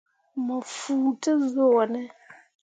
Mo fuu te zuu wo ne ?